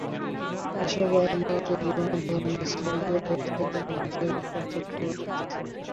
এসব আইনের আওতায় যেকোনো ধরনের সাইবার অপরাধের জন্য বিচারের পর্যাপ্ত ব্যবস্থা রয়েছে।